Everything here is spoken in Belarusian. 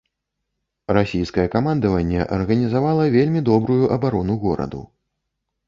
Расійскае камандаванне арганізавала вельмі добрую абарону гораду.